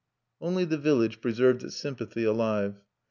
Only the village preserved its sympathy alive.